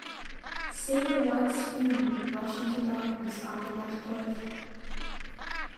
See the white spume rush into darkness under that cliff.